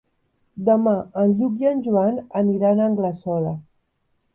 Demà en Lluc i en Joan aniran a Anglesola.